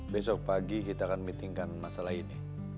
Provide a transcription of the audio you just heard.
besok pagi kita akan meetingkan masalah ini